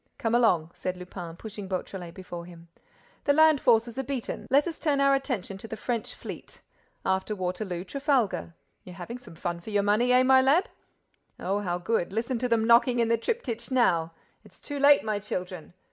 "Come along," said Lupin, pushing Beautrelet before him. "The land forces are beaten—let us turn our attention to the French fleet.—After Waterloo, Trafalgar.—You're having some fun for your money, eh, my lad?—Oh, how good: listen to them knocking at the triptych now!—It's too late, my children.